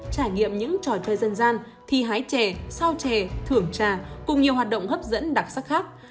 trải nghiệm những trò chơi dân gian thi hái chè sao chè thưởng trà cùng nhiều hoạt động hấp dẫn đặc sắc khác